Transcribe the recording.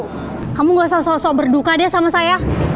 kamu gak usah sok sok berduka deh sama saya